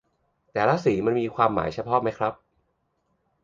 แต่ละสีมันมีความหมายเฉพาะไหมครับ